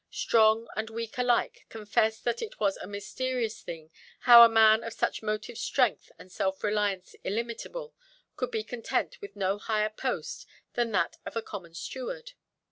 Strong and weak alike confessed that it was a mysterious thing how a man of such motive strength, and self–reliance illimitable, could be content with no higher post than that of a common steward.